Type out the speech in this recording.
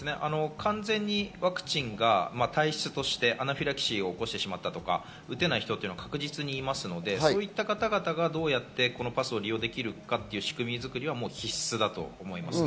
完全にワクチンが体質としてアナフィラキシーを起こしてしまったとか打てない人は確実にいますので、そういった方々がどうやってこういうパスを使えるかという仕組みは必須だと思います。